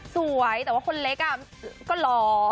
สวยแต่ว่าคนเล็กอ่ะก็ลอ